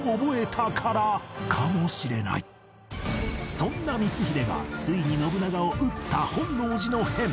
そんな光秀がついに信長を討った本能寺の変